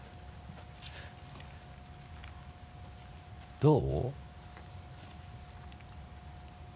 どう？